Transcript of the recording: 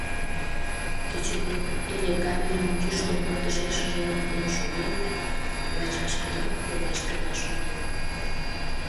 Кечыгут эре камерын йӱштӧ пырдыжешыже эҥертен шоген да лач вашкерак колаш гына шонен.